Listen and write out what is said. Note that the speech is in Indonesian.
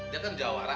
dia kan jawara